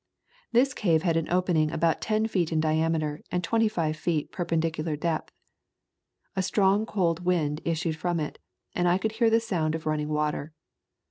This cave had an opening about ten feet in diameter, and twenty five feet perpendicular depth. A strong cold wind issued from it and I could hear the sounds of running water.